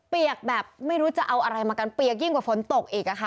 เปียกแบบไม่รู้จะเอาอะไรมากันเปียกยิ่งกว่าฝนตกอีกค่ะ